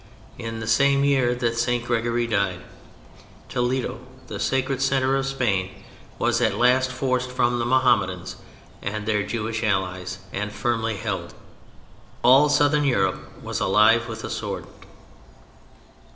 In the same year that St. Gregory died, Toledo, the sacred centre of Spain, was at last forced from the Mohammedans, and their Jewish allies, and firmly held. All Southern Europe was alive with the sword.